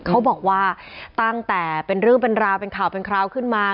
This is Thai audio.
เขาบอกว่าตั้งแต่เป็นเรื่องเป็นราวเป็นข่าวเป็นคราวขึ้นมา